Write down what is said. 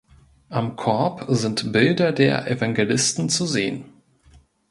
Am Korb sind Bilder der Evangelisten zu sehen.